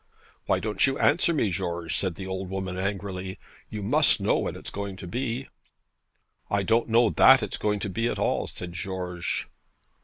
'Why don't you answer me, George?' said the old woman angrily. 'You must know when it's going to be.' 'I don't know that it's going to be at all,' said George.